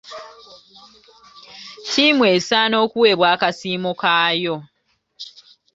Ttiimu esaana okuweebwa akasiimo kayo.